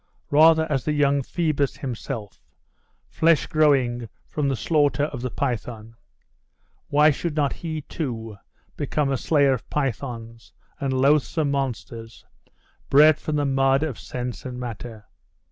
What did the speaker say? Rather as the young Phoebus himself, fresh glowing from the slaughter of the Python. Why should not he, too, become a slayer of Pythons, and loathsome monsters, bred from the mud of sense and matter?